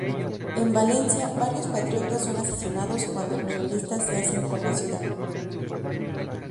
En Valencia varios patriotas son asesinados cuando los realistas se hacen con la ciudad.